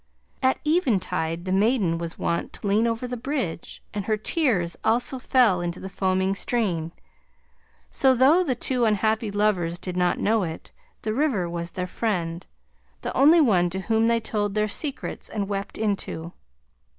At eventide the maiden was wont to lean over the bridge and her tears also fell into the foaming stream; so, though the two unhappy lovers did not know it, the river was their friend, the only one to whom they told their secrets and wept into.